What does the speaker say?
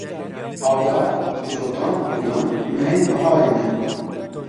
Avdar, Cotan û Gulan mehên biharê ne.